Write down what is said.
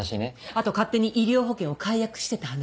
あと勝手に医療保険を解約してた話。